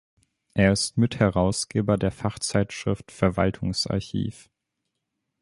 Er ist Mitherausgeber der Fachzeitschrift "Verwaltungsarchiv".